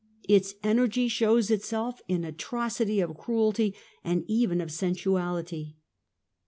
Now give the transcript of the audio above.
Its energy shows itself in atrocity of cruelty and even of sensuality.